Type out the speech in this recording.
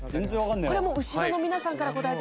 これはもう後ろの皆さんから答えてもらいましょう。